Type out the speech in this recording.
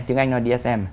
tiếng anh nói dsm